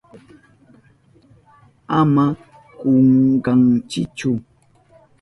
Ama kunkankichu.